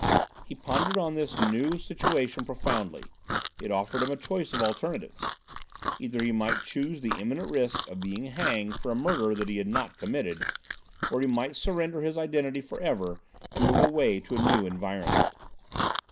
He pondered on this new situation profoundly. It offered him a choice of alternatives. Either he might choose the imminent risk of being hanged for a murder that he had not committed, or he might surrender his identity for ever and move away to a new environment.